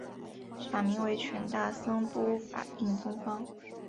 法名为权大僧都法印宗方。